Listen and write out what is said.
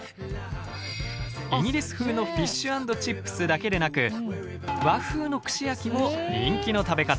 イギリス風のフィッシュ＆チップスだけでなく和風の串焼きも人気の食べ方。